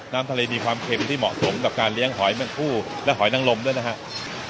น้ำทะเลมีความเค็มที่เหมาะสมกับการเลี้ยงหอยแมงคู่และหอยนังลมด้วยนะครับ